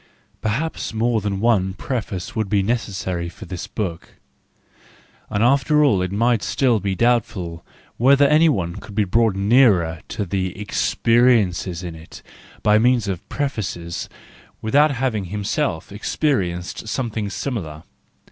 PERHAPS more than one preface would be necessary for this book; and after all it might still be doubtful whether any one could be brought nearer to the experiences in it by means of prefaces, without having himself experienced something similar.